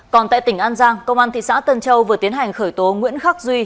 còn tại tỉnh an giang công an thị xã tân châu vừa tiến hành khởi tố nguyễn khắc duy